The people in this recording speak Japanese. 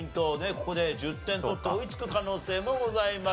ここで１０点取って追いつく可能性もございます。